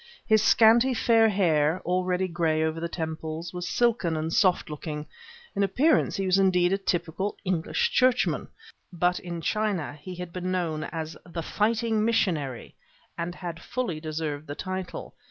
His scanty fair hair, already gray over the temples, was silken and soft looking; in appearance he was indeed a typical English churchman; but in China he had been known as "the fighting missionary," and had fully deserved the title.